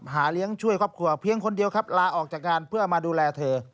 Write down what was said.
เลี้ยงช่วยครอบครัวเพียงคนเดียวครับลาออกจากงานเพื่อมาดูแลเธอ